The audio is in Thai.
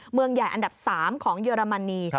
เมืองใหญ่อันดับ๓ของเยอรมนี